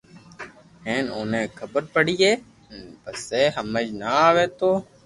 ھين اوني خبر پڙئي ئسآ ھمج نہ آوئ تو